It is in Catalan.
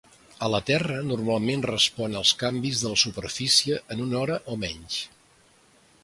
A la Terra normalment respon als canvis en la superfície en una hora o menys.